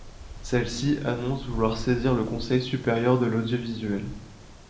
Celle-ci annonce vouloir saisir le Conseil supérieur de l'audiovisuel.